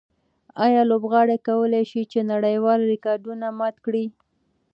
آیا لوبغاړي کولای شي چې نړیوال ریکارډونه مات کړي؟